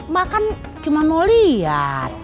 mak kan cuma mau liat